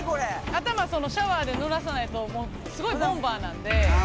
頭シャワーで濡らさないとすごいボンバーなんで。